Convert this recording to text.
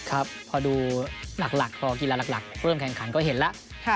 ครับพอดูหลักพอกีฬาหลักเริ่มแข่งขันก็เห็นแล้ว